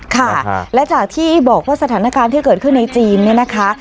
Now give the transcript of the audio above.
ค่ะและจากที่บอกว่าสถานการณ์ที่เกิดขึ้นในจีนเนี่ยนะคะ